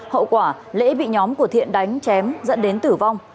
hậu quả lễ bị nhóm của thiện đánh chém dẫn đến tử vong